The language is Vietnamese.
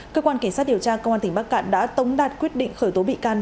cơ quan cảnh sát điều tra công an tỉnh bắc cạn đã tống đạt quyết định khởi tố bị can